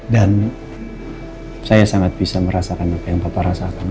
dan saya sangat bisa merasakan apa yang bapak rasakan